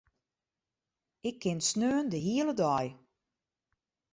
Ik kin sneon de hiele dei.